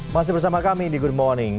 masih bersama kami di good morning